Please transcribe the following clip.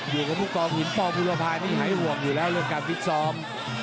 อยู่กับผู้กองหินปอภูภานี่หายห่วงอยู่แล้วเรื่องการฟิตซ้อม